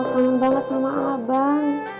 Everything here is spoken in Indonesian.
kangen banget sama abang